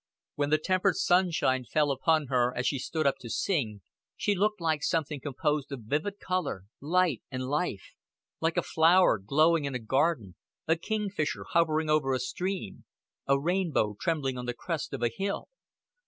When the tempered sunshine fell upon her as she stood up to sing, she looked like something composed of vivid color, light, and life like a flower glowing in a garden, a kingfisher hovering over a stream, a rainbow trembling on the crest of a hill.